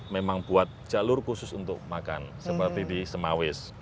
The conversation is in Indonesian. memang buat jalur khusus untuk makan seperti di semawis